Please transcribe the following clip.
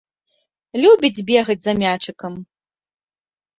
Любіць бегаць за мячыкам.